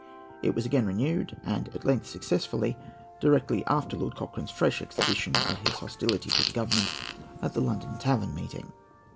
It was again renewed, and at length successfully, directly after Lord Cochrane's fresh exhibition of his hostility to the Government at the London Tavern meeting.